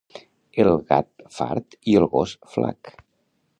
El gat fart i el gos flac.